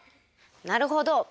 なるほど。